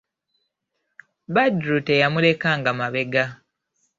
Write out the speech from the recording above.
Badru teyamulekanga mabega.